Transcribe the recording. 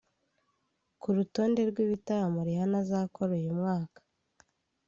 Ku rutonde rw’ibitaramo Rihanna azakora uyu mwaka